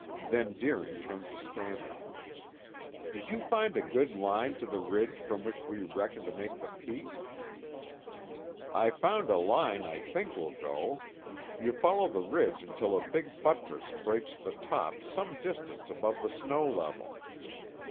Then Deering turned to Stannard. "Did you find a good line to the ridge from which we reckon to make the peak?" "I found a line I think will go. You follow the ridge until a big buttress breaks the top some distance above the snow level.